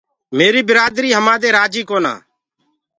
ميري برآدآر همآدي رآجي ڪونآ۔